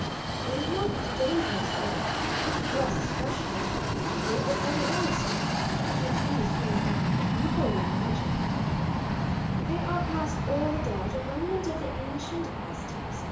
"Will it not be too dangerous, though? Not for us, especially, uncle, but for the aerostat? Even if these be not the people you imagine " "They are past all doubt a remnant of the ancient Aztecs.